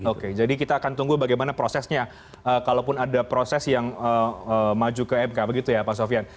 oke jadi kita akan tunggu bagaimana prosesnya kalaupun ada proses yang maju ke mk begitu ya pak sofian